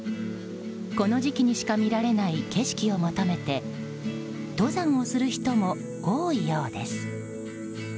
この時期にしか見られない景色を求めて登山をする人も多いようです。